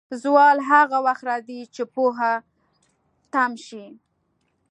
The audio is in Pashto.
زوال هغه وخت راځي، چې پوهه تم شي.